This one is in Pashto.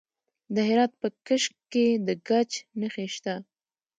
د هرات په کشک کې د ګچ نښې شته.